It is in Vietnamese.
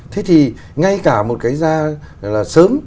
thế thì ngay cả một cái ra sớm